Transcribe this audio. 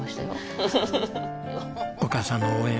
お母さんの応援